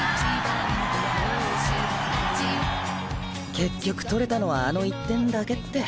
結局取れたのはあの１点だけって。